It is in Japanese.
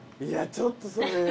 いやちょっとそれ。